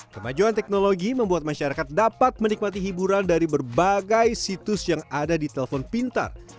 kemajuan teknologi membuat masyarakat dapat menikmati hiburan dari berbagai situs yang ada di telepon pintar